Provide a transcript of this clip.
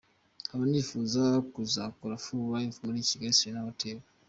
Nkaba nifuza kuzakora full live muri Kigali serena hotel.